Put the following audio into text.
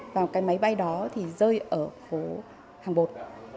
vào cái máy bay đó thì rơi ở phố hàng bột